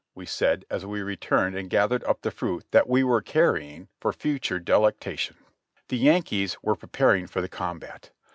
we said as we returned and gathered up the fruit that we were carrying for future de lectation. The Yankees were preparing for the combat.